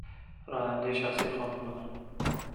راننده شخصی خانم بودم